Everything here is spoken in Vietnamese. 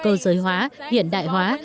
cơ giới hóa hiện đại hóa